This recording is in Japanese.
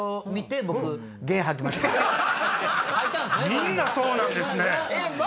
みんなそうなんですね。